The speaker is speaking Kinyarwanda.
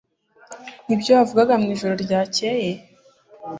Nibyo wavugaga mwijoro ryakeye?